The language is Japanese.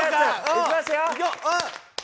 いきますよ！